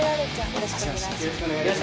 よろしくお願いします。